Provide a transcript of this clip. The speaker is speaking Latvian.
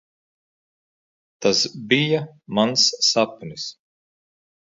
Tas bija mans sapnis.